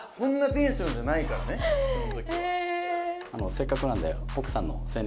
せっかくなんで。